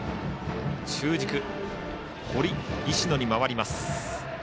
中軸の堀と石野に回ります。